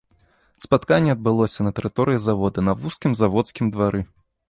Спатканне адбылося на тэрыторыі завода, на вузкім заводскім двары.